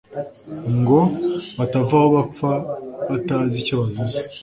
ngo batava aho bapfa batazi icyo bazize